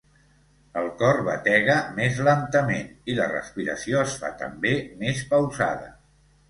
El cor batega més lentament i la respiració es fa també més pausada.